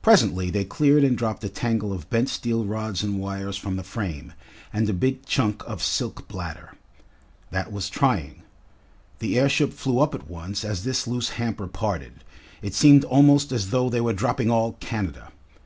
Presently they cleared and dropped a tangle of bent steel rods and wires from the frame, and a big chunk of silk bladder. That was trying. The airship flew up at once as this loose hamper parted. It seemed almost as though they were dropping all Canada.